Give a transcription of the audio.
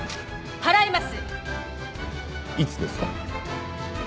いつですか？